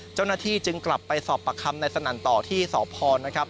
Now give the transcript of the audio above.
เจ้าหน้าที่จึงกลับไปสอบปากคำในสนั่นต่อที่สพนะครับ